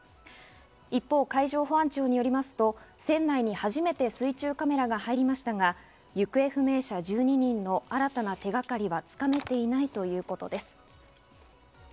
一方、海上保安庁によりますと船内に初めて水中カメラが入りましたが、行方不明者１２人の新たな手がかりは掴めていないということです。